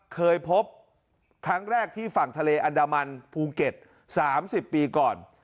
เคยพบครั้งแรกที่ฝั่งทะเลอันดามันภูเก็ต๓๐ปีก่อน